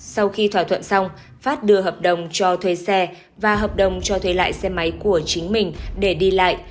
sau khi thỏa thuận xong phát đưa hợp đồng cho thuê xe và hợp đồng cho thuê lại xe máy của chính mình để đi lại